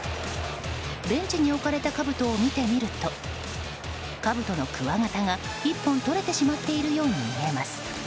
ベンチに置かれたかぶとを見てみるとかぶとのくわ形が１本取れてしまっているように見えます。